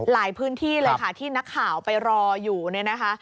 พื้นที่เลยค่ะที่นักข่าวไปรออยู่เนี่ยนะคะ